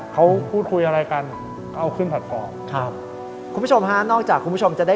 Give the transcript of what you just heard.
อสมอสมอสมอสม